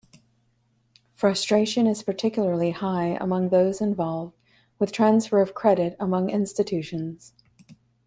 Frustration is particularly high among those involved with transfer of credit among institutions.